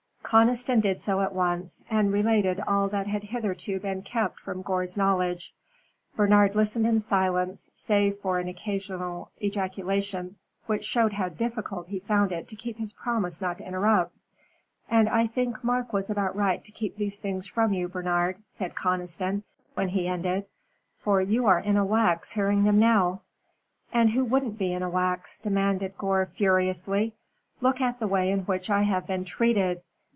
Conniston did so at once, and related all that had hitherto been kept from Gore's knowledge. Bernard listened in silence, save for an occasional ejaculation, which showed how difficult he found it to keep his promise not to interrupt. "And I think Mark was about right to keep these things from you, Bernard," said Conniston, when he ended. "For you are in a wax hearing them now." "And who wouldn't be in a wax?" demanded Gore, furiously. "Look at the way in which I have been treated.